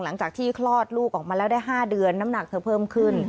หลังจากที่คลอดลูกออกมาแล้วได้๕เดือนน้ำหนักเธอเพิ่มขึ้น